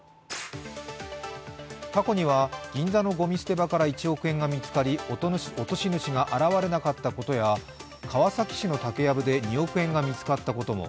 過去には、銀座のごみ捨て場が１億円が見つかり、落とし主が現れなかったことや川崎市の竹やぶで２億円が見つかったことも。